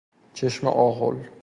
چشم آغل